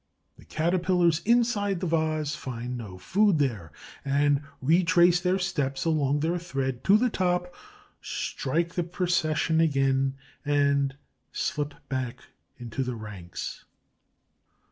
The Caterpillars inside the vase find no food there, and retrace their steps along their thread to the top, strike the procession again, and slip back into the ranks.